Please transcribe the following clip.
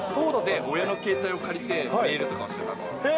で、親の携帯を借りてメールとかしてたんですよ。